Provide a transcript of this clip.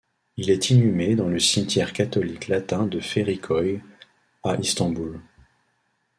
Il est inhumé dans le cimetière catholique latin de Feriköy à Istanbul.